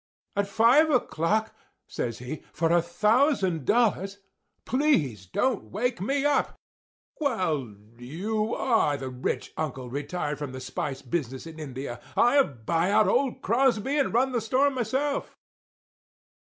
"At five o'clock?" says he, "for a thousand dollars? Please don't wake me up! Well, you are the rich uncle retired from the spice business in India! I'll buy out old Crosby and run the store myself."